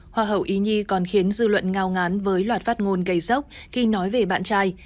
hoa hậu ý nhi còn khiến dư luận ngao ngán với loạt phát ngôn gây sốc khi nói về bạn trai